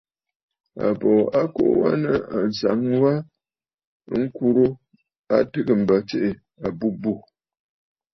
Àbòò a kuu wa nɨ̂ ànsaŋ wa ŋkurə a tɨgə̀ m̀bə tsiʼì àbûbû.